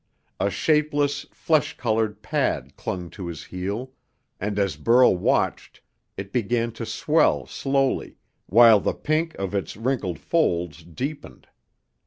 A shapeless, flesh colored pad clung to his heel, and as Burl watched, it began to swell slowly, while the pink of its wrinkled folds deepened.